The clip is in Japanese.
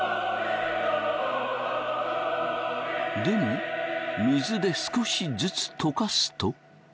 でも水で少しずつ溶かすと。